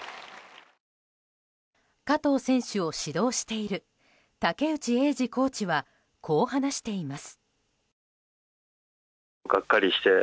加藤選手を指導している竹内映二コーチはこう話しています。